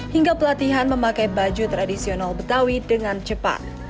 hingga pelatihan memakai baju tradisional betawi dengan cepat